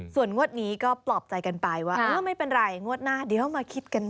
ส่วนงวดนี้ก็ปลอบใจกันไปว่าเออไม่เป็นไรงวดหน้าเดี๋ยวมาคิดกันหน่อย